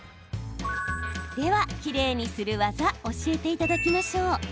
では、きれいにする技教えていただきましょう。